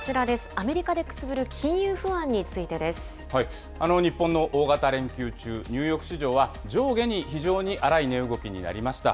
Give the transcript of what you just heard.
アメリカでくすぶる金融不安につ日本の大型連休中、ニューヨーク市場は上下に非常に荒い値動きになりました。